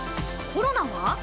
コロナは？